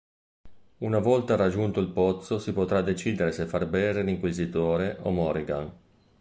Una volta raggiunto il pozzo si potrà decidere se far bere l'inquisitore o Morrigan.